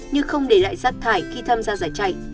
như không để lại rác thải khi tham gia giải chạy